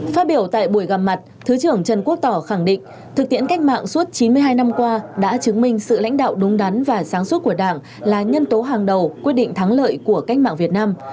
phát biểu tại buổi gặp mặt thứ trưởng trần quốc tỏ khẳng định thực tiễn cách mạng suốt chín mươi hai năm qua đã chứng minh sự lãnh đạo đúng đắn và sáng suốt của đảng là nhân tố hàng đầu quyết định thắng lợi của cách mạng việt nam